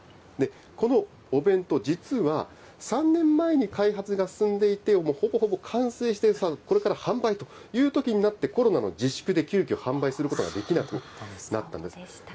このお弁当、実は３年前に開発が進んでいて、ほぼほぼ完成して、さあ、これから販売というときになって、コロナの自粛で急きょ販売することができなくなったんです。